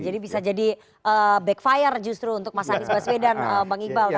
jadi bisa jadi backfire justru untuk mas anies baswedan bang iqbal